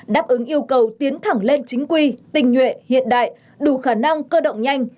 đáp ứng yêu cầu tiến thẳng lên chính quy tình nhuệ hiện đại đủ khả năng cơ động nhanh